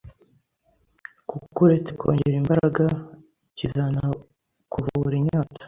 kuko uretse kongera imbaraga kizanakuvura inyota